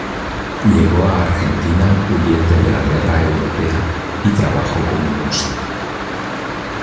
Llegó a la Argentina huyendo de la guerra europea y trabajó como músico.